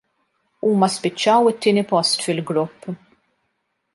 Huma spiċċaw it-tieni post fil-grupp.